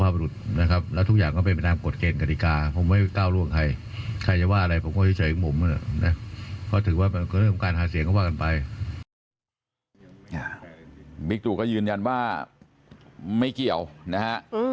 บิ๊กตูก็ยืนยันว่าไม่เกี่ยวนะฮะ